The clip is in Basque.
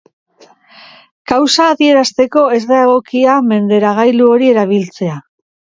Kausa adierazteko ez da egokia menderagailu hori erabiltzea.